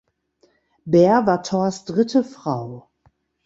Beer war Thors dritte Frau.